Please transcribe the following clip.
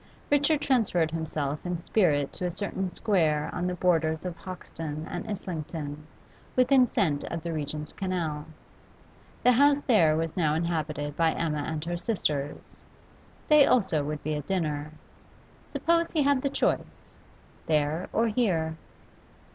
Richard transferred himself in spirit to a certain square on the borders of Hoxton and Islington, within scent of the Regent's Canal. The house there was now inhabited by Emma and her sisters; they also would be at dinner. Suppose he had the choice: there or here?